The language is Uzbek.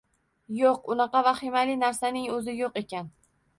Yoʻq, unaqa vahimali narsaning oʻzi yoʻq ekan